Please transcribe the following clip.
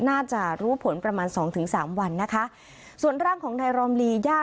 น่าจะรู้ผลประมาณสองถึงสามวันนะคะส่วนร่างของนายรอมลีย่า